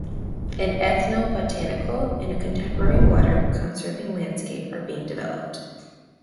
An ethnobotanical and a contemporary water-conserving landscape are being developed.